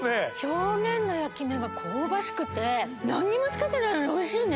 表面の焼き目がこうばしくて何にもつけてないのにおいしいね